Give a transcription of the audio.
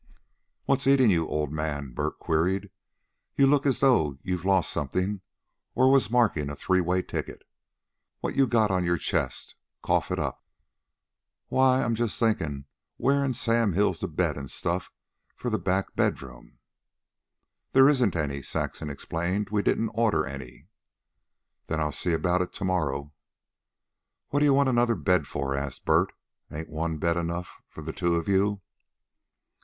"What's eatin' you, old man," Bert queried. "You look as though you'd lost something or was markin' a three way ticket. What you got on your chest? Cough it up." "Why, I'm just thinkin' where in Sam Hill's the bed an' stuff for the back bedroom." "There isn't any," Saxon explained. "We didn't order any." "Then I'll see about it to morrow." "What d'ye want another bed for?" asked Bert. "Ain't one bed enough for the two of you?"